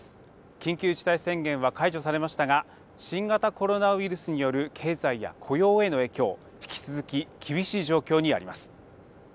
緊急事態宣言は解除されましたが新型コロナウイルスによる経済や雇用への影響引き続き厳しい状況にあります。